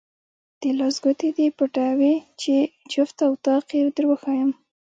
د لاس ګوتې دې پټوې چې جفت او طاق یې دروښایم.